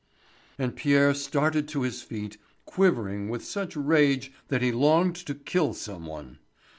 And Pierre started to his feet, quivering with such rage that he longed to kill some one.